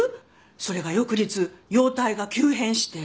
それが翌日容体が急変して。